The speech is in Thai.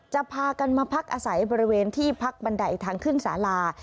พากันมาพักอาศัยบริเวณที่พักบันไดทางขึ้นสาลา